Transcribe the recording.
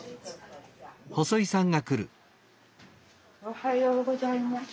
おはようございます。